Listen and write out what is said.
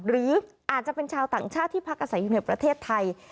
หรืออาจจะเป็นชาวต่างชาติที่พักอาศัยอยู่ในประเทศไทย